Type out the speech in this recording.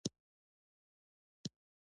تور رنګ د اوسپنې نښه ده.